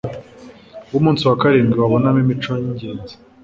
bUmunsi wa Karindwi wabonamo imico yingenzi